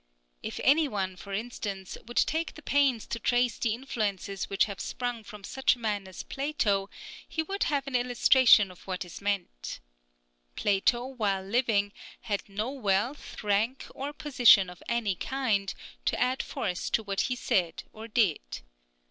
If any one, for instance, would take the pains to trace the influences which have sprung from such a man as Plato, he would have an illustration of what is meant. Plato, while living, had no wealth, rank, or position of any kind, to add force to what he said or did.